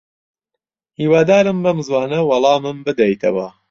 هیوادارم بەم زووانە وەڵامم بدەیتەوە.